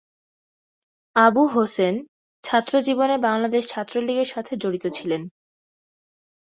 আবু হোসেন ছাত্র জীবনে বাংলাদেশ ছাত্রলীগের সাথে জড়িত ছিলেন।